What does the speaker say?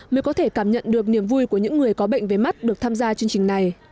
mới có thể cảm nhận được niềm vui của những người có bệnh về mắt được tham gia chương trình này